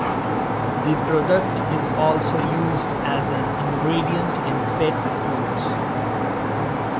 The product is also used as an ingredient in pet foods.